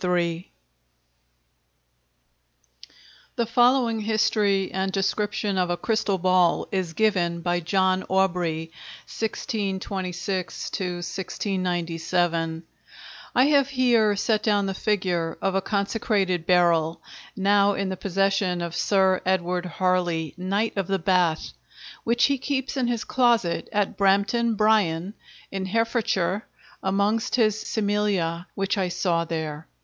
] The following history and description of a crystal ball is given by John Aubrey (1626 1697): I have here set down the figure of a consecrated Beryl—now in the possession of Sir Edward Harley, Knight of the Bath, which he keeps in his closet at Brampton Bryan in Herefordshire amongst his Cimelia, which I saw there.